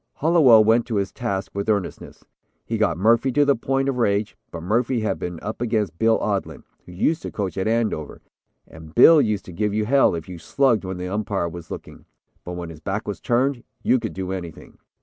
Hallowell went to his task with earnestness. He got Murphy to the point of rage, but Murphy had been up against Bill Odlin, who used to coach at Andover, and Bill used to give you hell if you slugged when the umpire was looking. But when his back was turned you could do anything.